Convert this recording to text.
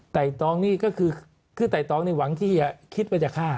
ตองนี่ก็คือไต่ตองนี่หวังที่จะคิดว่าจะฆ่า